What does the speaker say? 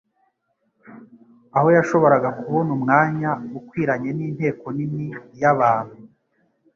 aho yashoboraga kubona umwanya ukwiranye n'inteko nini y'abantu,